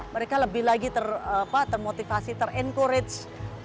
mereka lebih lagi termotivasi terencourage